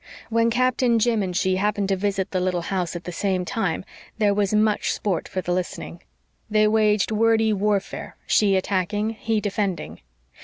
When Captain Jim and she happened to visit the little house at the same time there was much sport for the listening. They waged wordy warfare, she attacking, he defending.